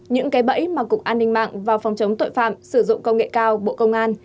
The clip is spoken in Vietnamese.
những cái bẫy mà cục an ninh mạng và phòng chống tội phạm sử dụng công nghệ cao bộ công an